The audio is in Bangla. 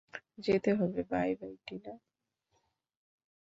যেতে হবে বাই, বাই, টিনা।